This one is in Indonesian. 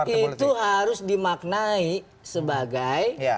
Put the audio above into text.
itu harus dimaknai sebagai